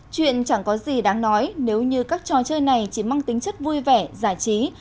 chuyện chẳng có gì đáng nói nếu như các trò chơi này chỉ mang tính chất vui vẻ giải trí